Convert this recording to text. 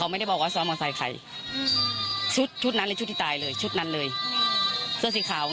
น้องจ้อยนั่งก้มหน้าไม่มีใครรู้ข่าวว่าน้องจ้อยเสียชีวิตไปแล้ว